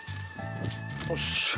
よし。